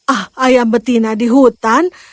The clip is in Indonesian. ah ayam betina di hutan